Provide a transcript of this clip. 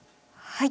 はい。